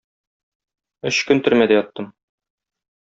Өч көн төрмәдә яттым.